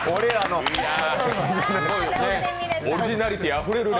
オリジナリティーあふれる。